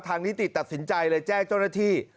นิติตัดสินใจเลยแจ้งเจ้าหน้าที่